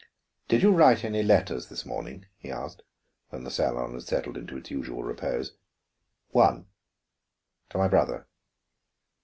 "Did you write any letters this morning?" he asked, when the salon had settled into its usual repose. "One; to my brother."